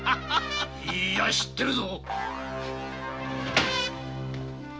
・いいや知ってるぞ！